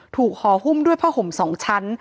ห่อหุ้มด้วยผ้าห่ม๒ชั้น